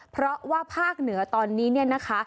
เพราะว่าภาคเหนือตอนนี้เนี่ยนะคะ